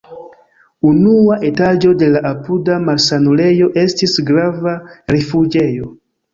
Unua etaĝo de la apuda malsanulejo estis grava rifuĝejo.